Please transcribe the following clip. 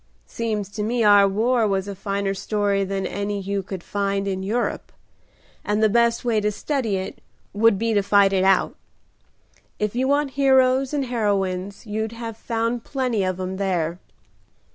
"Seems to me our war was a finer story than any you could find in Europe, and the best way to study it would be to fight it out. If you want heroes and heroines you'd have found plenty of 'em there."